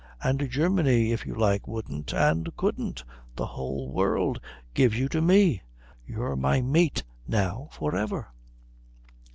And Germany, if you like, wouldn't and couldn't. The whole world gives you to me. You're my mate now for ever."